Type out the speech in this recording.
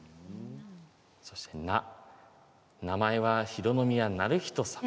そして「な」名前は浩宮徳仁さま。